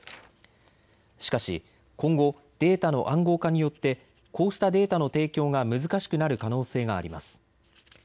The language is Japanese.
しかし今後、データの暗号化によってこうしたデータの提供が難しくなる可能性があります。